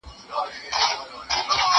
هغه څوک چي درسونه لوستل کوي پوهه زياتوي!.